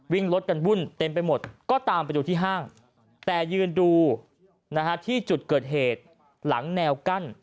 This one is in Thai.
วิ่งรถกันวุ่นเต็มไปหมดก็ตามไปดูที่ห้างแต่ยืนดูที่จุดเกิดเหตุหลังแนวกั้น